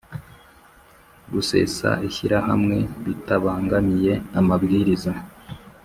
Gusesa ishyirahamwe bitabangamiye amabwiriza